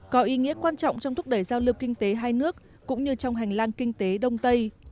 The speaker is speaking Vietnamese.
có ý nghĩa quan trọng trong thúc đẩy giao lưu kinh tế hai nước cũng như trong hành lang kinh tế đông tây